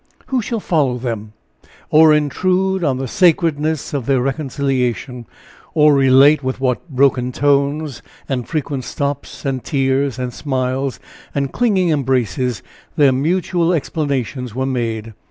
Who shall follow them, or intrude on the sacredness of their reconciliation, or relate with what broken tones, and frequent stops and tears and smiles, and clinging embraces, their mutual explanations were made?